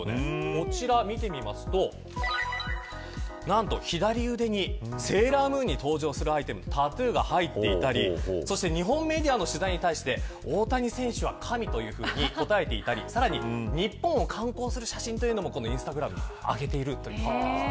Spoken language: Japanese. こちら見てみますと左腕にセーラームーンに登場するアイテムタトゥーが入っていたりそして、日本メディアの取材に対して大谷選手は神ですというふうに答えていたりさらに日本を観光する写真というのもインスタグラムに上げているということです。